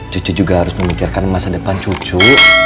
cucu juga harus memikirkan masa depan cucu